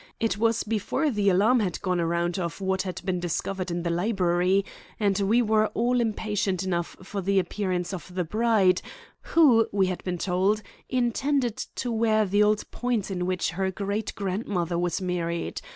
It was before the alarm had gone around of what had been discovered in the library, and we were all impatient enough for the appearance of the bride, who, we had been told, intended to wear the old point in which her great grandmother was married.